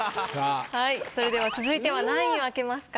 それでは続いては何位を開けますか？